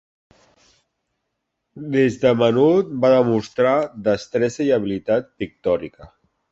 Des de menut va demostrar destresa i habilitat pictòrica.